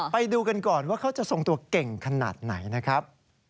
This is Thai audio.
ไปดูกันก่อนว่าเขาจะทรงตัวเก่งขนาดไหนนะครับ